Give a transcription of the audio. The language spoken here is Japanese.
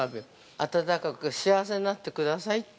暖かく幸せになってくださいって。